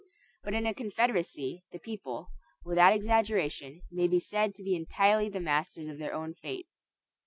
But in a confederacy the people, without exaggeration, may be said to be entirely the masters of their own fate.